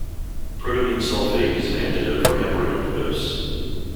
Protamine sulfate is an antidote for heparin overdose.